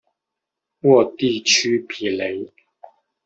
沃地区比雷。